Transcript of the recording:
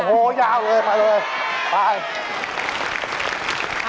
โอ้โหยาวเลยมาเลยไป